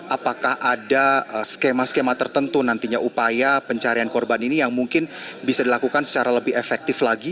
apakah ada skema skema tertentu nantinya upaya pencarian korban ini yang mungkin bisa dilakukan secara lebih efektif lagi